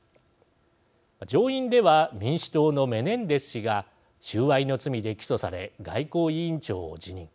上院では、民主党のメネンデス氏が収賄の罪で起訴され外交委員長を辞任。